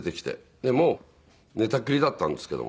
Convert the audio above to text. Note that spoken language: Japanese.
でもう寝たきりだったんですけども。